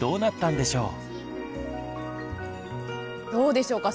どうでしょうか？